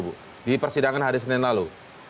bu di persidangan hari senin lalu